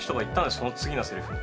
その次のセリフに。